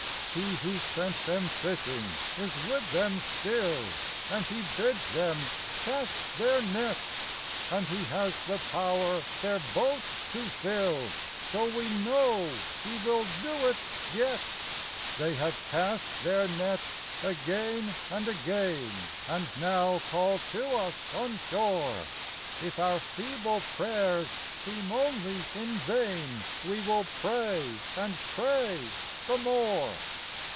He who sent them fishing is with them still, And He bids them cast their net; And He has the power their boat to fill So we know He will do it yet. They have cast their nets again and again, And now call to us on shore; If our feeble prayers s^em only in vain, We will pray and pray the more.